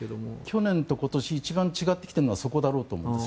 去年と今年一番違ってきてるのはそこだろうと思うんです。